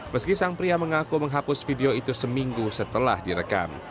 meski sang pria mengaku menghapus video itu seminggu setelah direkam